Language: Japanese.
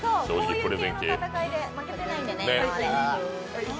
こういう系の戦いで負けてないんでね。